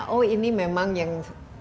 jadi ini memang yang